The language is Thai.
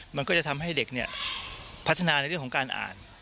มันก็จะทำให้เด็กพัฒนาในเรื่องของการอ่าน